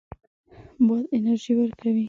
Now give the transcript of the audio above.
باد انرژي ورکوي.